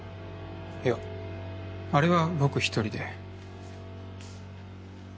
いやあれは僕一人で。